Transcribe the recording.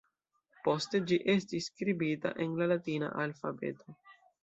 Poste ĝi estis skribita en la latina alfabeto.